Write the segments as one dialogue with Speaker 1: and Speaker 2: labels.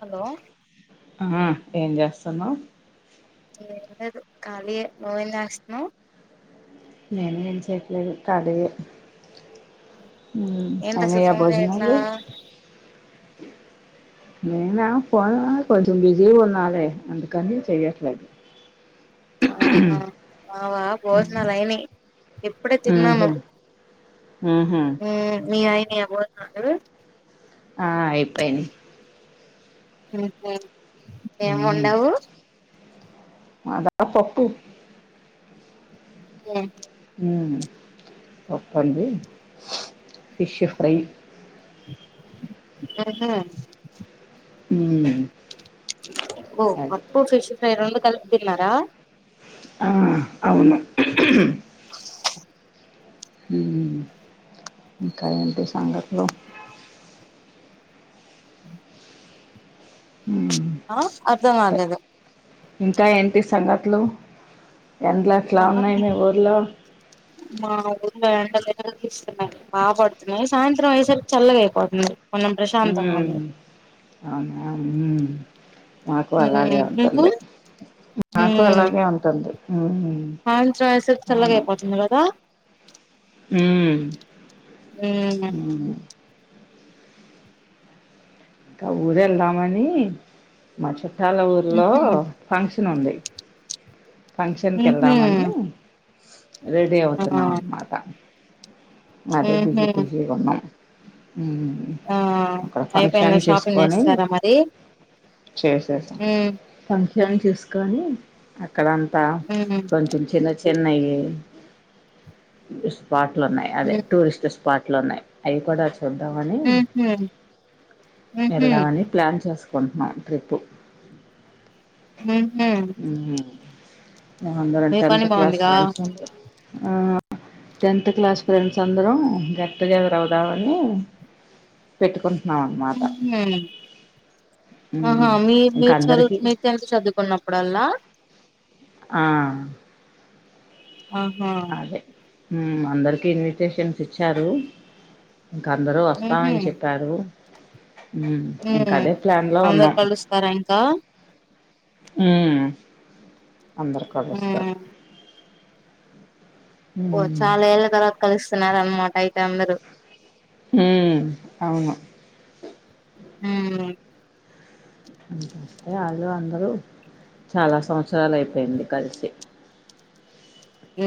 Speaker 1: Hello
Speaker 2: ఆ ఏం జేస్తున్నావ్
Speaker 1: ఏం లేదు కాళీయే నువ్వేం జేస్తున్నావ్
Speaker 2: నేను ఏమ్ చేయట్లేదు కాలియే మ్మ్
Speaker 1: ఏంటి అసలు
Speaker 2: అయినయా
Speaker 1: ఫోన్ చేయట్లా
Speaker 2: భోజనాలు నేనా ఫోన్ కొంచెం బిజీ ఉన్నాలే అందుకని చేయట్లేదు
Speaker 1: ఆహా మావా భోజనాలైనయ్ ఇప్పుడే
Speaker 2: ఊహూ
Speaker 1: తిన్నాము
Speaker 2: ఊహూ
Speaker 1: మ్మ్ మీ అయి ఏం భోజనండారు
Speaker 2: ఆ అయిపేనై
Speaker 1: మ్మ్ హుం ఏం
Speaker 2: మ్మ్
Speaker 1: వండావు
Speaker 2: మాదా పప్పు
Speaker 1: ఏ
Speaker 2: ఉమ్ పప్పండి ఫిష్ ఫ్రై
Speaker 1: [unintelligible]
Speaker 2: హుమ్
Speaker 1: ఓ మట్ను ఫిష్ ఫ్రై రెండు కలిపిదిన్నారా
Speaker 2: ఆ అవును ఉహ్ హ్మ్ ఇంకా ఏంటి సంగతులు మ్మ్
Speaker 1: ఆ అర్థమ కాలేదు
Speaker 2: ఇంకా ఏంటి సంగతులు ఎండలెట్లా ఉన్నాయి
Speaker 1: అవును
Speaker 2: మీ ఊర్లో
Speaker 1: మా ఊర్లో ఎండలే తీస్తున్నాయి బా పడుతున్నాయి సాయంత్రం అయ్యేసరికి చల్లగా అయిపోతుంది కొంచెం ప్రశాంతంగా
Speaker 2: మ్
Speaker 1: ఉంది
Speaker 2: అవునా మ్ నాకు అలాగే
Speaker 1: ఉమ్ నీకు
Speaker 2: ఉంటుంది నాకు అలాగే ఉంటుంది హ్మ్.
Speaker 1: పాలు ట్రాగేసరికి చల్లగా అయిపోతుంది గదా
Speaker 2: ఉమ్
Speaker 1: ఉమ్
Speaker 2: ఉమ్ ఇంకా ఊరు వెళదామని మాచు ట్టాల ఊరులో
Speaker 1: ఉహూ
Speaker 2: ఫంక్ష నుంది ఫంక్షన్ కి
Speaker 1: ఉహూ
Speaker 2: ఎళ్దామని ష్ రెడి
Speaker 1: ఆ
Speaker 2: అవుతున్నామ్ అన్నమాట అదే
Speaker 1: ఉహూ
Speaker 2: బిజి బిజి గా వున్నామ్ ఉమ్ అక్కడ ఫంక్షన్
Speaker 1: ఏమైనా షాపింగ్ చేస్తారా మరి
Speaker 2: చేసే సాం
Speaker 1: హ్మ్
Speaker 2: ఏమన్న చూసుకొని అ అక్కడంతా
Speaker 1: హ్మ్
Speaker 2: కొంచెం చిన్న చి చెన్నై యి స్పాట్లు ఉన్నాయి అదే టూరిస్ట్ స్పాట్ అట్లున్నాయి అయి కూడా వచ్చ చూద్దమని
Speaker 1: హ్మ్ ఉహూ ఉహూ
Speaker 2: ఎళ్దామని ప్లాన్ చె సుకుంటున్నాం ట్రిప్పు
Speaker 1: ఉమ్
Speaker 2: ఉహు మేమందరం
Speaker 1: మీ పని
Speaker 2: టెన్త్ క్లాస్
Speaker 1: బాగుందిగా
Speaker 2: ఫ్రెండ్స్ [unintelligible] ఆ టెన్త్ క్లాస్ ఫ్రెండ్స్ అందరం గెట్ టూ గెదర్ అవుదామని పెట్టుకున్
Speaker 1: ఆహా
Speaker 2: ఉమ్,
Speaker 1: మీర్
Speaker 2: ఇంకా
Speaker 1: మీర్
Speaker 2: అందరికీ
Speaker 1: చదువు మీరు టెన్త్ చదుకున్నప్పుడల్లా
Speaker 2: ఆ
Speaker 1: ఆహా
Speaker 2: ఊ అందరికి ఇన్విటేషన్స్ ఇచ్చారు ఇంక అందరూ
Speaker 1: ఉహూ
Speaker 2: వస్తామని చెప్పారు. ఉ ఇంకా
Speaker 1: హ్మ్
Speaker 2: అదే ప్లాన్ లో
Speaker 1: అందరు
Speaker 2: ఉన్నాం
Speaker 1: కలుస్తారా ఇంకా
Speaker 2: ఊ అందరు కలుస్తారు
Speaker 1: హ్మ్ ఓ చాలా ఏల్ల తరువాత కలుస్ చూస్తున్నారా అ మట అయితే అందరు
Speaker 2: హ అవును
Speaker 1: హ
Speaker 2: అంతేస్తే వాళ్ళు అందరూ చాలా సంవత్సరాలు అయిపోయింది కలిసి
Speaker 1: హ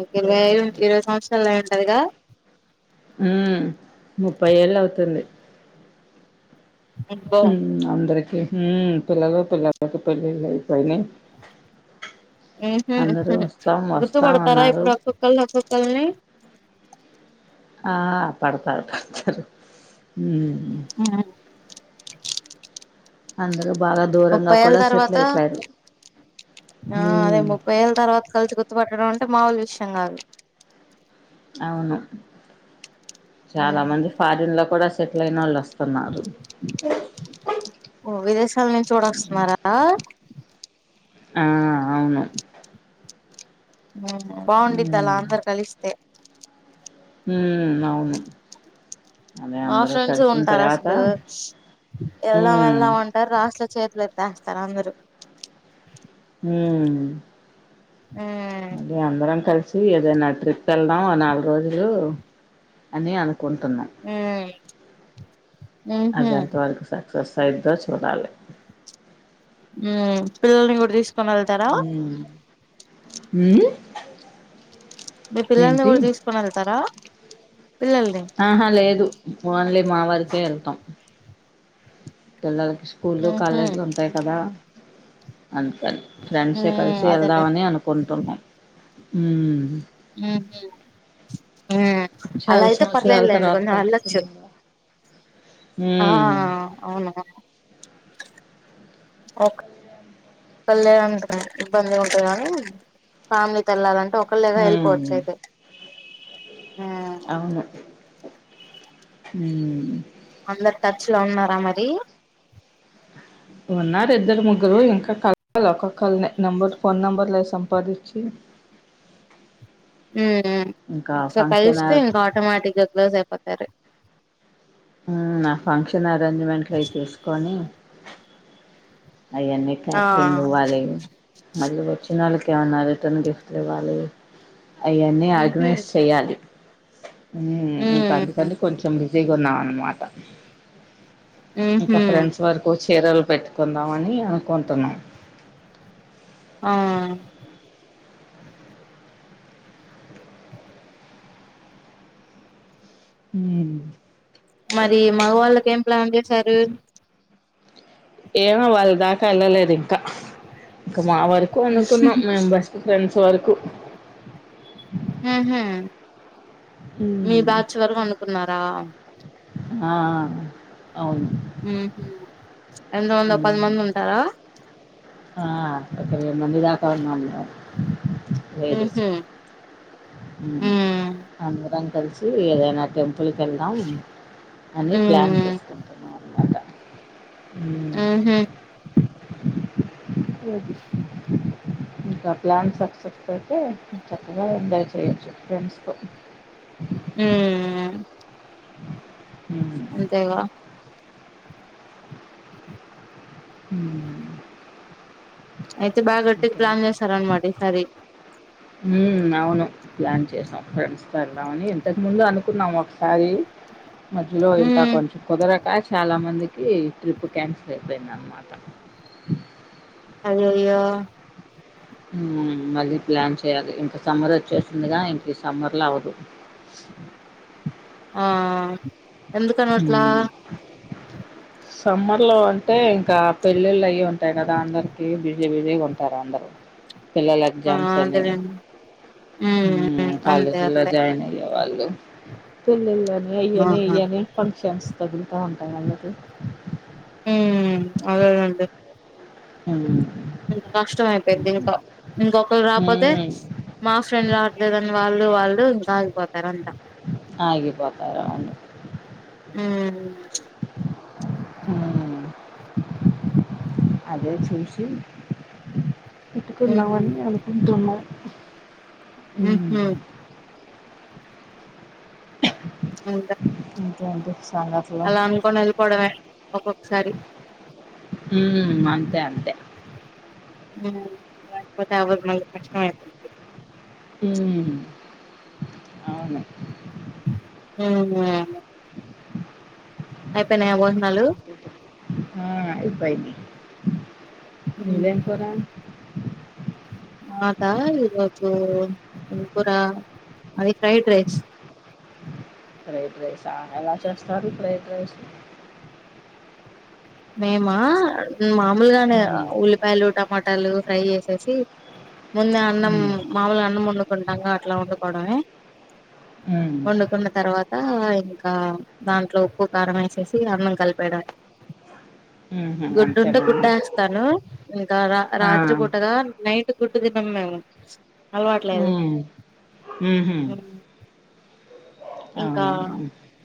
Speaker 1: ఒక ఇరవై ఇరవై సంవత్సం అడి కోదిగా
Speaker 2: ఉ ముప్పై ఏళ్ళు అవుతుంది
Speaker 1: అబ్బో
Speaker 2: ఉ అందరి పిల్ల పిలల పలి లేపోయినా
Speaker 1: ఉహ
Speaker 2: వస్తాం
Speaker 1: గుర్తుపడతారా
Speaker 2: అన్నారు.
Speaker 1: ఇప్పుడు అక్కొక్కళ్ళ ఒక్కొక్కల్ని
Speaker 2: ఆ పడతారు పడతారు ఉ అంద
Speaker 1: ముప్పై ఏళ్ళ తర్వాత ఆ అదే
Speaker 2: హ్మ్.
Speaker 1: ముప్పై ఏళ్ళ తర్వాత కలిసి గుర్తుపట్టడం అంటే మాముూలు విషయం చెంగారు
Speaker 2: అవును చాలా మంది ఫారిన్ లో కూడా చెట్లైనాళ్ళస్త
Speaker 1: విదేశాల నుంచి చూడొస్తున్నారా
Speaker 2: ఆ అవును
Speaker 1: బాగుండద్దలా
Speaker 2: హ్మ్.
Speaker 1: అందరు కలిస్తే
Speaker 2: ఉ అవును అదే
Speaker 1: మా
Speaker 2: అందరూ
Speaker 1: ఫ్రెండ్స్
Speaker 2: కలిసిన
Speaker 1: ఉంటారు
Speaker 2: తర్వాత
Speaker 1: అసలు వెళ్దాం
Speaker 2: హ్మ్
Speaker 1: వెళ్దాం ఉంటారు రాసుల చే ల తస్తార అందరు
Speaker 2: హ అదే అందరం కలిసి చ్చ ఏదైనా ట్రిప్ వెళ్దాం నాలుగు రోజులు అని అను కొంటున్నాయి
Speaker 1: ఉహు
Speaker 2: అజాంత వాళ్ళకుస ఎక్సర్సైజ్ ద చూడాలి
Speaker 1: ఉ పిల్లల్ని కూడా తీసుకోని వెళ్తారా
Speaker 2: అ
Speaker 1: మీ పిల్లల్ని కూడా తీసుకుని వెళ్తారా పిల్లల్ని
Speaker 2: ఆహా లేదు ఓన్లీ మా వారికే వెళ్తాం తెల్ల స్కూలు
Speaker 1: ఉహు
Speaker 2: కాలేజీలు ఉంటాయి కదా అంతం ఫ్రెండ్సే కలిసి
Speaker 1: అదేలే
Speaker 2: వెళ్దామని అనుకుంటున్నాం ఉ
Speaker 1: ఆ అలా
Speaker 2: చాలా
Speaker 1: అయితే పర్లేదు
Speaker 2: సంవత్సరాల
Speaker 1: లేండి
Speaker 2: తర్వాత
Speaker 1: కొ
Speaker 2: కలుసుకు
Speaker 1: అళ్ళొచ్చు ఆ
Speaker 2: హ్మ్
Speaker 1: అవునును ఓక కళ్యాణ అే ఇబ్బంది ఉంటాయి కానీ ఫ్యామిలీ తో వెల్లాలంటే ఒకరిలాగా
Speaker 2: హ్మ్
Speaker 1: వెళ్ళిపోవచ్చు అయితే ఉమ్
Speaker 2: హ
Speaker 1: అందరు టచ్ లో ఉన్నారా మరి
Speaker 2: ఉన్నారు ఇద్దరు ముగ్గురు ఇంకా కలాల ఒక కళ నెంబరు ఫోన్ నెంబర్లు సంపాదించి
Speaker 1: ఉ
Speaker 2: ఇంకా
Speaker 1: ఒకసారి
Speaker 2: ఫంక్షన్
Speaker 1: కలిస్తే ఇంకా ఆటోమేటిక్ గా క్లోజ్ అయిపోతారు
Speaker 2: నా ఫంక్షన్ అరేంజ్మెంట్లు అవి చూసుకొని అవన్నీ
Speaker 1: ఆ
Speaker 2: క్యాటరింగ్ ఇవ్వాలి మళ్ళీ వచ్చిన వాళ్ళకి కమన్నా రిటర్న్ గిఫ్ట్లు ఇవాలి అయన్నీ
Speaker 1: ఉహు
Speaker 2: అడ్వైస్ చెయాలి
Speaker 1: ఉమ్
Speaker 2: అందుకని కొంచెం జన్నాన్న మాట ఇంకా
Speaker 1: ఉహు
Speaker 2: ఫ్రెండ్స్ వరకు వచ్చ చీరలు పెట్టుకుందామని అనుకుంటున్నాం
Speaker 1: ఆ
Speaker 2: హ
Speaker 1: మరి మగవాళ్ళకి ఏం ప్లాన్ సరుర
Speaker 2: ఏమో వాళ్ళ దాకా వెళ్ళలేదు ఇంకా మా వరకు అనుకున్నాం మేము బెస్ట్ ఫ్రెండ్స్ వరకు కు
Speaker 1: హ హ మీ
Speaker 2: హ్మ్.
Speaker 1: బ్యాార్చ్ వరకు అనుకున్నారా
Speaker 2: ఆ అవును.
Speaker 1: ఉ ఎంతమంది ఓ పది
Speaker 2: హ్మ్.
Speaker 1: మంది ఉంటారా
Speaker 2: ఆ ఒక ఇరవై మంది దాకా ఉన్నాం లేదు
Speaker 1: ఉహు ఉమ్
Speaker 2: అ ర కలిసి ఏదైనా టెంపు పక్కలిక వెళ్దాం అని ప్లాన్
Speaker 1: హ్మ్
Speaker 2: చేసుకుంటున్నాను అక్క అ
Speaker 1: ఉహు
Speaker 2: ఇంకా ప్లాన్స్ అక్సెప్ చెప్ప ఎ చేంచు ఫెండ్స్కో
Speaker 1: హ
Speaker 2: హ అ
Speaker 1: అయితే బాగా గట్టి ప్లాన్ చేస్తారు అనమా సర
Speaker 2: అవును ప్లాన్ చేసాం ఫ్రెండ్స్తో వెళ్ళామని ఇంతకు ముందు అనుకున్నాం ఒకసారి మధ్యలో ఇంకా
Speaker 1: హ్మ్
Speaker 2: కొంచెం కుదరకా చాలా మందికి ట్రిప్ క్యాన్సిల్ అయిపోయినన్న మాత
Speaker 1: అ
Speaker 2: మళ్ళీ ప్లాన్ చేయాలి ఇంత సమ్మర్ వచ్చేసిందిగా ఇంక సమ్మర్లో అవ్వదు
Speaker 1: ఆ ఎందుకనట్లా
Speaker 2: సమ్మర్ లో అంటే ఇంకా పెళ్ళిళ్ళు అయి ఉంటాయి కదా అందరికి బిజీ గా బిజీ ఉంటారు అందరూ పిల్లలు
Speaker 1: ఆ
Speaker 2: ఎగ్జామ్స్ అయ్యో
Speaker 1: అదేలేండి హ్మ్ హ్మ్ అంతే
Speaker 2: కాలేజీ లో
Speaker 1: అంతే
Speaker 2: జాయిన్ అయ్యారూ ఆదుకో వద్దు అనాకదా ఇయ్యిన్
Speaker 1: ఆహా
Speaker 2: ఇయ్యన్ ఆషన్స్ తగులుతూ ఉంటాయి వాళ్ళటి
Speaker 1: హ అండీ
Speaker 2: హ
Speaker 1: అ కష్టం అయిపోయింది దిమిగాకు ఇంకా ఇంకొకరు రాపోతే
Speaker 2: హ్మ్.
Speaker 1: మా ఫ్రెండ్ రాడ్ లేదని వాలు వాలు ఇంకా ఆగిపోతారు అంతా
Speaker 2: ఆగిపోతార
Speaker 1: హుమ్
Speaker 2: హ్మ్. అదే చూసి
Speaker 1: హ్మ్
Speaker 2: పెట్టుకుందామని అనుకుంటున్నాం
Speaker 1: ఉహు
Speaker 2: హుమ్
Speaker 1: ఇంక
Speaker 2: ఇట్లాంతే
Speaker 1: అలా అనుకోని వెళ్ళిపోవడమే ఒక్కొక్కసారి
Speaker 2: హ్మ్ అంతే అంతే
Speaker 1: హ్మ్ లేకపోతే అవదు మళ్ళీ కష్టం అయిపోద్ది
Speaker 2: హ్మ్ అవును
Speaker 1: హ్మ్ అయిపోయినయా బోనౌలు నలు
Speaker 2: ఆ అయిపోయినయ్
Speaker 1: హ్మ్.
Speaker 2: మీదేం కూర
Speaker 1: మాదా ఈ రోజు ఏం కూర మాది ఫ్రైడ్ రైస్
Speaker 2: ఫ్రైడ్ రైసా ఎలా చేస్తారూ ఫ్రైడ్ రైసు
Speaker 1: మేమా మామూలుగానే
Speaker 2: ఉమ్
Speaker 1: ఉల్లిపాయలు టమాటాలు ఫ్రై చేసేసి ముందే అన్నం
Speaker 2: ఉమ్
Speaker 1: మాముూలు అన్నం వండుకుని అంగా అట్లా వండుకోడమే
Speaker 2: ఉమ్
Speaker 1: వండుకున్న తర్వాత ఇంకా దాంట్లో ఉప్పు కారం వేసేసి అన్నం కలిపేయడమే
Speaker 2: ఉహు
Speaker 1: గుడ్డుంటే
Speaker 2: అంతేనా
Speaker 1: గుడ్డు వేస్తాను ఇంకా రా
Speaker 2: ఆ
Speaker 1: రాత్రి పూటగా నైట్ కుకున్నా మే
Speaker 2: ఆహ
Speaker 1: హ్మ్. ఇంకా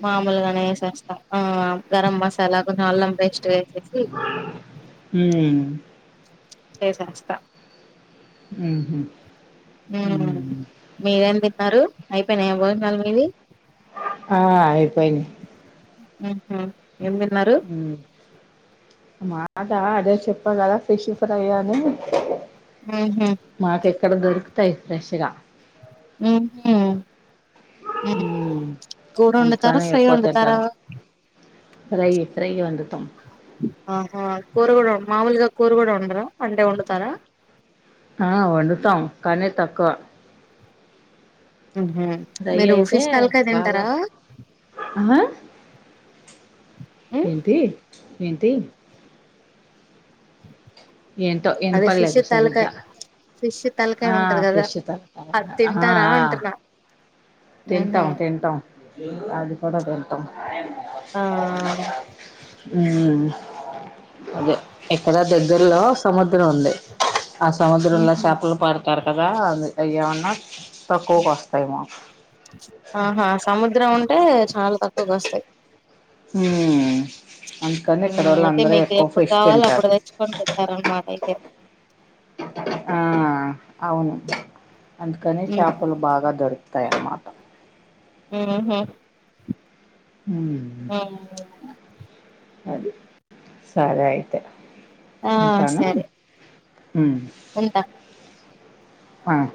Speaker 1: మామూలుగా స్తా గరం మసాలా కొంచెం అల్లం పేస్ట్ వేసేసి
Speaker 2: హ
Speaker 1: చేసేస్తా
Speaker 2: ఉహు ఉమ్
Speaker 1: మీరేం తిన్నారు అయిపోయినా ఏ బోగుండాలి మీది
Speaker 2: ఆ అయిపోయిని
Speaker 1: అ ఏం తిన్నారు
Speaker 2: మాట అదే చెప్ప కదా ఫిష్ ఫ్రై అని
Speaker 1: ఆహ
Speaker 2: ఇ కక్కడ దొరుకుతాయి ప్రేషగా
Speaker 1: ఆ వండుతారా
Speaker 2: అందుకనే
Speaker 1: ఫ్రై
Speaker 2: ఎక్కువ
Speaker 1: వండుతారా
Speaker 2: తింటారు ఫ్రై ఫ్రై వండు తం
Speaker 1: ఆహా కూర కూడా మామూలుగా కూర కూడా ఉండరా అంటే వండుతారా
Speaker 2: ఆ వండుతాం కానీ తక్కువ
Speaker 1: హ
Speaker 2: ఫ్రై
Speaker 1: మీరు
Speaker 2: అయితే
Speaker 1: ఫీష్ తలకాయ
Speaker 2: బాగా
Speaker 1: తింటారా
Speaker 2: ఆ?
Speaker 1: ఉమ్
Speaker 2: ఏంటి ఏంటి ఏంటో
Speaker 1: అదే ఫిష్
Speaker 2: వెనపడలేదు
Speaker 1: తలకాయ
Speaker 2: సరిగ్గా
Speaker 1: ఫిష్ తలకాయ
Speaker 2: ఆ
Speaker 1: ఉంటది కదా
Speaker 2: ఫిష్ తలకాయ
Speaker 1: అది
Speaker 2: ఆ
Speaker 1: తింటారా అంటున్నా ఉహు
Speaker 2: తింటం తింటాం అది కూడా తింటం టం
Speaker 1: ఆ
Speaker 2: అ అదే ఇక్కడ దగ్గరలో సముద్రం ఉంది ఆ సముద్రంలో
Speaker 1: ఉహు
Speaker 2: చేపలు పడతారు కదా అ అయ్యామన్నా తక్కువకు వస్తాయి మాకు
Speaker 1: ఆహా సముద దగ్గర ఉంటే చాలా తక్కువగా వస్తాయి
Speaker 2: అందుకని ఇక్కడ
Speaker 1: మ్మ్
Speaker 2: వాళ్ళు
Speaker 1: అయితే
Speaker 2: అందరూ
Speaker 1: మీకు
Speaker 2: ఎక్కువ
Speaker 1: ఎప్పుడు
Speaker 2: ఫిష్
Speaker 1: కావాలో అప్పుడు
Speaker 2: తింటారు
Speaker 1: తెచ్చుకొని తింటారనమాట అయితే
Speaker 2: ఆ అవును అందుకని చేపలు బాగా దొరుకుతాయి అన్నమాట
Speaker 1: ఆహా
Speaker 2: అహా అది సరే అయితే
Speaker 1: ఆ సరే
Speaker 2: ఆమ్
Speaker 1: ఉంటా
Speaker 2: ఆహా